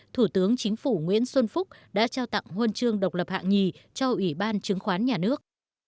thủ tướng chính phủ nguyễn xuân phúc đã trao tặng huân chương độc lập hạng nhì cho ủy ban chứng khoán nhà nước